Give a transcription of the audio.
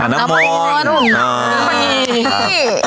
น้ำมน